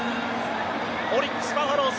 オリックス・バファローズ